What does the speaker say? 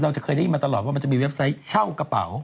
เราจะเคยได้ยินมาตลอดว่ามันจะมีเว็บไซต์เช่ากระเป๋า